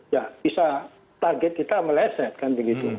ya bisa target kita melesetkan begitu